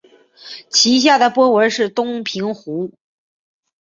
其下的波纹是东平湖。